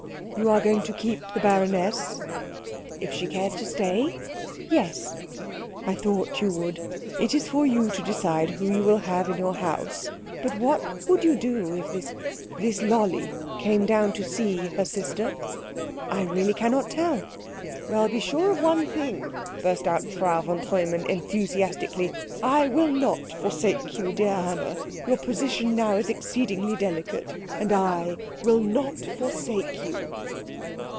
"You are going to keep the baroness?" "If she cares to stay, yes." "I thought you would. It is for you to decide who you will have in your house. But what would you do if this this Lolli came down to see her sister?" "I really cannot tell." "Well, be sure of one thing," burst out Frau von Treumann enthusiastically, "I will not forsake you, dear Anna. Your position now is exceedingly delicate, and I will not forsake you."